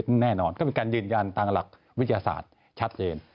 ถามยืนยันต่างหลักวิทยาศาสตร์ชัดเจน